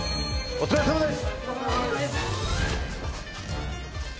お疲れさまです。